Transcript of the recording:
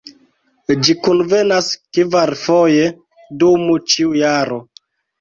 Ĝi kunvenas kvarfoje dum ĉiu jaro.